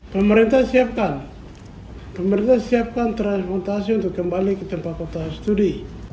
pemerintah siapkan transportasi untuk kembali ke tempat tempat studi